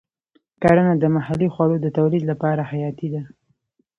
کرنه د محلي خوړو د تولید لپاره حیاتي ده.